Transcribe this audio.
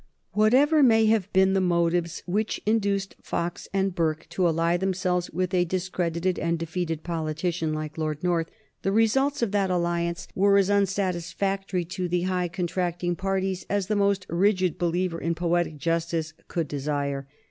Whatever may have been the motives which induced Fox and Burke to ally themselves with a discredited and defeated politician like Lord North, the results of that alliance were as unsatisfactory to the high contracting parties as the most rigid believer in poetic justice could desire.